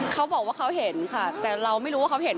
เขาบอกว่าเขาเห็นค่ะแต่เราไม่รู้ว่าเขาเห็น